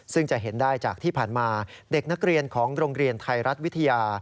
ซึ่งจะเห็นได้จากที่ผ่านมาเด็กนักเรียนของโรงเรียนไทยรัฐวิทยา